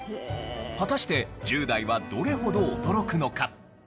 果たして１０代はどれほど驚くのか？